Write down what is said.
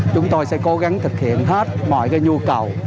chúng tôi sẽ cố gắng thực hiện hết mọi nhu cầu